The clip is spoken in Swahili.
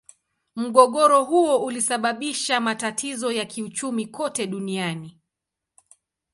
Mgogoro huo ulisababisha matatizo ya kiuchumi kote duniani.